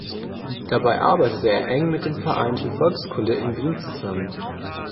Dabei arbeitet er eng mit dem Verein für Volkskunde in Wien zusammen.